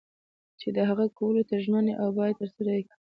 چې د هغه کولو ته ژمن یې او باید چې ترسره یې کړې.